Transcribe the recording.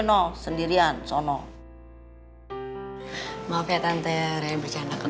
no sendirian sono maaf ya tante reber cana kena